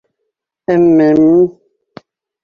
— Ммм...